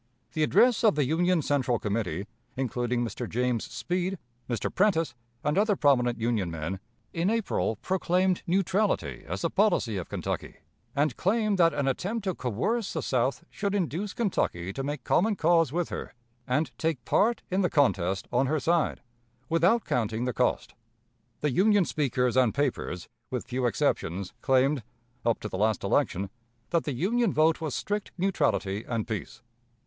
The address of the Union Central Committee, including Mr. James Speed, Mr. Prentice, and other prominent Union men, in April, proclaimed neutrality as the policy of Kentucky, and claimed that an attempt to coerce the South should induce Kentucky to make common cause with her, and take part in the contest on her side, 'without counting the cost.' The Union speakers and papers, with few exceptions, claimed, up to the last election, that the Union vote was strict neutrality and peace.